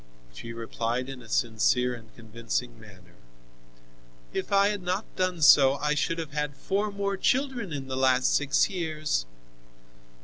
She replied in a sincere and convincing manner: "If I had not done so, I should have had four more children in the last six years!"